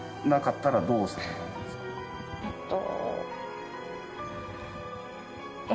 えっと。